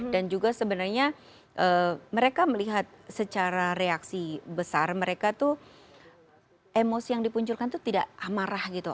dan juga sebenarnya mereka melihat secara reaksi besar mereka tuh emosi yang dipunculkan tuh tidak marah gitu